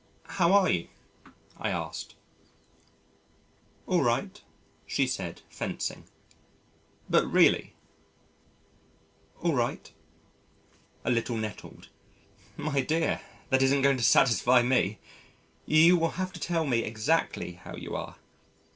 "How are you?" I asked. "All right," she said, fencing. "But really?" "All right." (A little nettled): "My dear, that isn't going to satisfy me. You will have to tell me exactly how you are."